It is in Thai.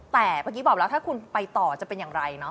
แต่เมื่อกี้บอกแล้วถ้าคุณไปต่อจะเป็นอย่างไรเนาะ